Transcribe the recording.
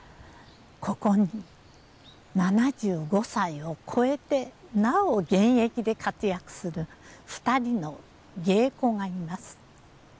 ここに７５歳を越えてなお現役で活躍する２人の芸妓がいます。